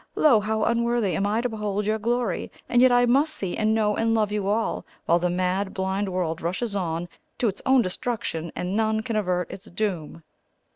Lo, how unworthy am I to behold your glory! and yet I must see and know and love you all, while the mad blind world rushes on to its own destruction, and none can avert its doom.'"